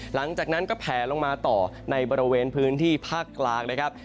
หลังจากนั้นก็แผลลงมาต่อในบริเวณพื้นที่ภาคกลางนะครับ